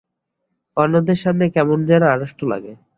অন্যদের সামনে কেমন যেন আড়ষ্ট লাগে।